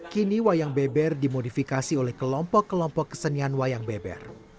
kini wayang beber dimodifikasi oleh kelompok kelompok kesenian wayang beber